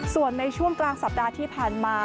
ส่วนในช่วงกลางสัปดาห์ที่ผ่านมา